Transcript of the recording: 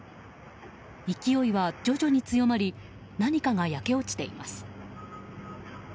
勢いは徐々に強まり何かが焼け落ちています。